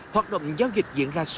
hoạt động giao dịch diễn ra số